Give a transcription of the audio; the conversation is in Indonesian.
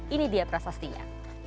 ini dia prasastinya